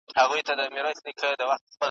شپه د ژمي هم سړه وه هم تياره وه .